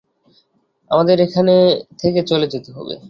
আমাদের এখান থেকে চলে যেতে হবে!